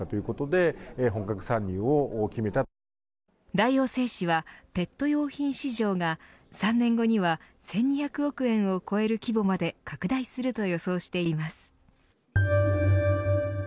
大王製紙はペット用品市場が３年後には１２００億円を超える規模まで拡大すると予想しています。